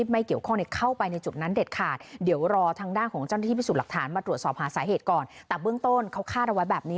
มีไฟบ้างอะไรอยู่ตรงนั้น